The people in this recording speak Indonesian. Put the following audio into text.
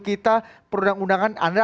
kita perundang undangan anda